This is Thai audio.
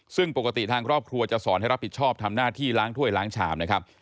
ซึ่งปกติทางครอบครัวจะสอนให้รับผิดชอบทำหน้าที่ล้างถ้วยล้างชามนะครับ